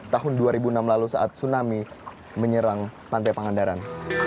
tahun dua ribu enam lalu saat tsunami menyerang pantai pangandaran